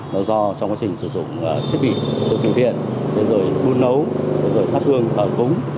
nó do trong quá trình sử dụng thiết bị từ thủy viện rồi buôn nấu rồi thắp gương khởi cúng